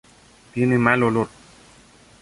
Tiene mal olor.